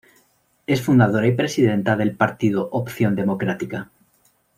Es fundadora y presidenta del partido Opción Democrática.